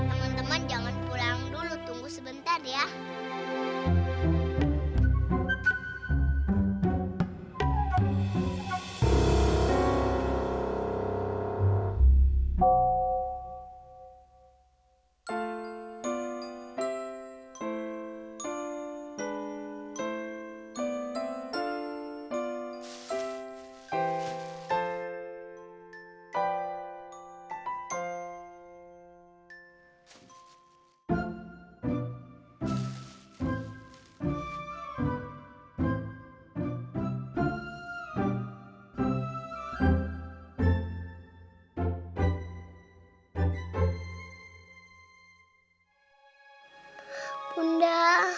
teman teman jangan pulang dulu tunggu sebentar ya